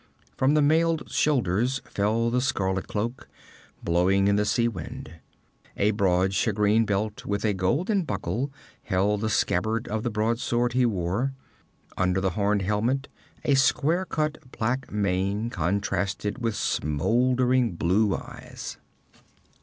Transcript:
From the mailed shoulders fell the scarlet cloak, blowing in the sea wind. A broad shagreen belt with a golden buckle held the scabbard of the broadsword he bore. Under the horned helmet a square cut black mane contrasted with smoldering blue eyes.